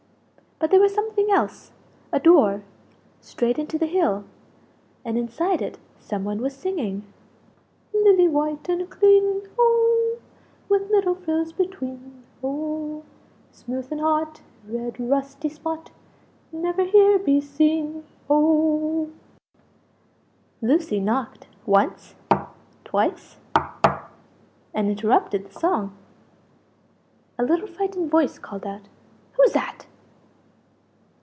But there was something else a door! straight into the hill; and inside it some one was singing "Lily white and clean, oh! With little frills between, oh! Smooth and hot red rusty spot Never here be seen, oh!" Lucie, knocked once twice, and interrupted the song. A little frightened voice called out "Who's that?"